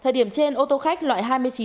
thời điểm trên ô tô khách loại hai